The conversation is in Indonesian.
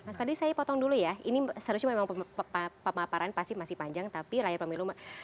mas fadli saya potong dulu ya ini seharusnya memang pemaparan pasti masih panjang tapi layar pemilu